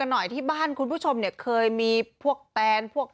หน่อยที่บ้านคุณผู้ชมเนี่ยเคยมีพวกแตนพวก